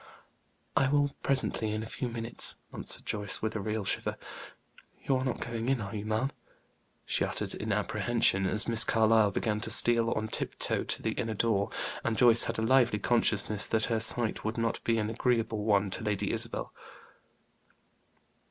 "I will presently, in a few minutes," answered Joyce, with a real shiver. "You are not going in, are you, ma'am?" she uttered, in apprehension, as Miss Carlyle began to steal on tip toe to the inner door, and Joyce had a lively consciousness that her sight would not be an agreeable one to Lady Isabel.